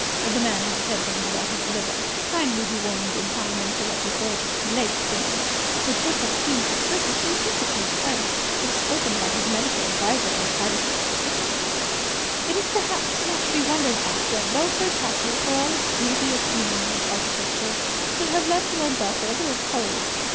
(The man had said things about his liver, kindly be warned in time and pull up before it is too late things, which would have seemed to Percy indecently frank if spoken by his medical adviser in the privacy of the sick chamber.) It is perhaps not to be wondered at that Belpher Castle, for all its beauty of scenery and architecture, should have left Lord Belpher a little cold.